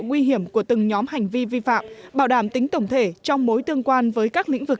nguy hiểm của từng nhóm hành vi vi phạm bảo đảm tính tổng thể trong mối tương quan với các lĩnh vực